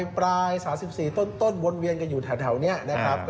๓๓ปลาย๓๔ต้นวนเวียนกันอยู่แถว